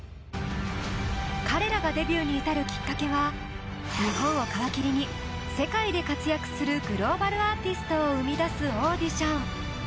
彼らがデビューに至るきっかけは日本を皮切りに世界で活躍するグローバルアーティストを生み出すオーディション。